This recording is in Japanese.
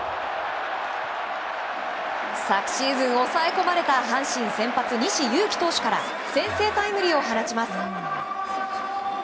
昨シーズン抑え込まれた阪神先発、西勇輝投手から先制タイムリーを放ちます。